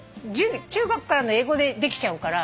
中学からの英語でできちゃうから。